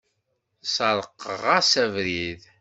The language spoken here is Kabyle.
Sεerqeɣ-as abrid.